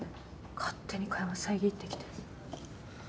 勝手に会話遮ってきて。